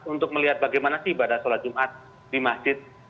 untuk melihat bagaimana sih ibadah sholat jumat di masjid